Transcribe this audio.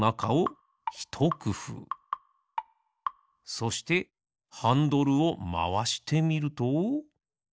そしてハンドルをまわしてみると。